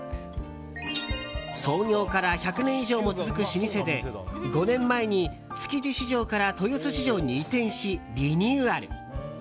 創業から１００年以上も続く老舗で５年前に築地市場から豊洲市場に移転しリニューアル。